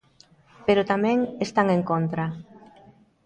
Pero tamén están en contra.